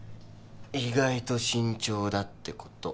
意外と慎重だって事。